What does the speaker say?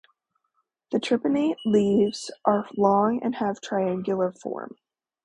The tripinnate leaves are long and have a triangular form.